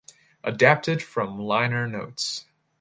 Adapted from liner notes.